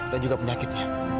dan juga penyakitnya